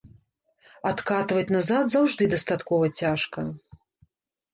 Адкатваць назад заўжды дастаткова цяжка.